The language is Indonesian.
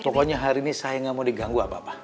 pokoknya hari ini saya nggak mau diganggu apa apa